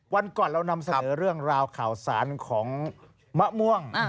วันก่อนเรานำเสนอเรื่องราวข่าวสารของมะม่วง